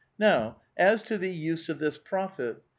" Now, as to the use of this profit.